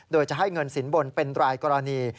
โดยจะให้เงินสินบนเป็นรายกรณี